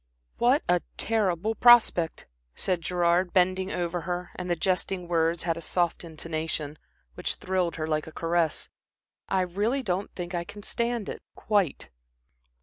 "What a terrible prospect!" said Gerard, bending over her and the jesting words had a soft intonation, which thrilled her like a caress. "I really don't think I can stand it quite."